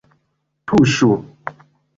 Tuŝu!